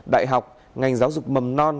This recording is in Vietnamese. đại học ngành giáo dục mầm non